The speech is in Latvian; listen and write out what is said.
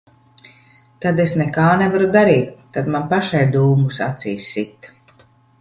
Tad es nekā nevaru darīt. Tad man pašai dūmus acīs sit.